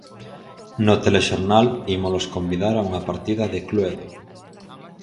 No telexornal ímolos convidar a unha partida de Cluedo.